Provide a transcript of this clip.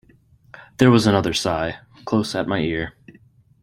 There was another sigh, close at my ear.